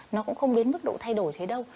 nó cũng không đến mức độ thay đổi thế đâu